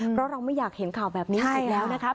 เพราะเราไม่อยากเห็นข่าวแบบนี้อีกแล้วนะครับ